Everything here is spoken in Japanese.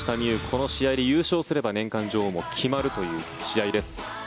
この試合で優勝すれば年間女王も決まるという試合です。